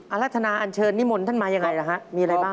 อารทนาอัญเชิญนิมลฯท่านมาอย่างไรมีอะไรบ้าง